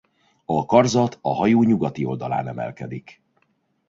A karzat a hajó nyugati oldalán emelkedik.